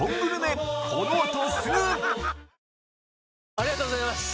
ありがとうございます！